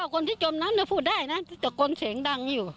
คนที่จมน้ำพูดได้นะตะโกนเสียงดังอยู่